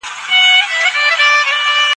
که څه د وینو موج په هر ګړي پرهر ته راسي